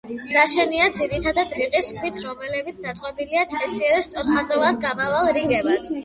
ნაშენია ძირითადად, რიყის ქვით, რომლებიც დაწყობილია წესიერ, სწორხაზოვნად გამავალ რიგებად.